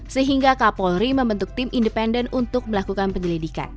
sehingga kapolri membentuk tim independen untuk melakukan penyelidikan